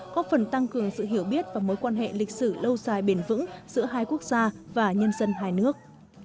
có phần tăng cường sự hiểu biết và mối quan hệ lịch sử lâu dài bền vững giữa hai quốc gia và nhân dân hai nước